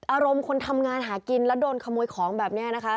อารมณ์คนทำงานหากินและโดนโครงข้าร้ายแบบนี้นะคะ